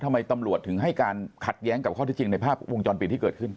ทำไมตำรวจถึงให้การขัดแย้งกับข้อที่จริงในภาพวงจรปิดที่เกิดขึ้น